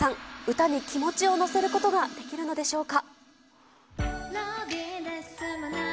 歌に気持ちを乗せることができるのでしょうか。